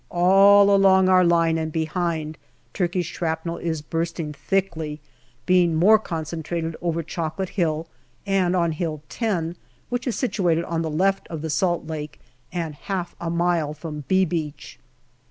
All along our line and behind, Turkish shrapnel is bursting thickly, being more concentrated over Chocolate Hill and on Hill 10, which is situated on the left of the Salt Lake and half a mile from " B " Beach.